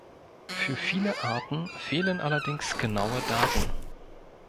Für viele Arten fehlen allerdings genaue Daten.